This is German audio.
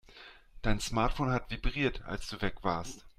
Dein Smartphone hat vibriert, als du weg warst.